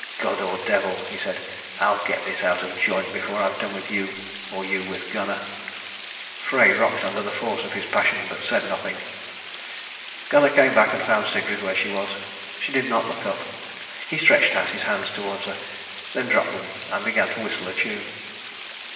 "God or devil," he said, "I'll get this out of joint before I've done with you, or you with Gunnar." Frey rocked under the force of his passion, but said nothing. Gunnar came back and found Sigrid where she was. She did not look up. He stretched out his hands towards her, then dropped them and began to whistle a tune.